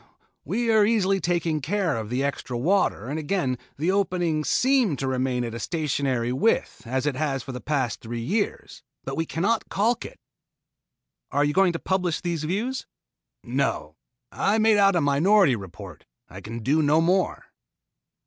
We are easily taking care of the extra water and again the opening seems to remain at a stationary width as it has for the past three years. But we cannot caulk it." "Are you going to publish these views?" "No. I made out a minority report. I can do no more."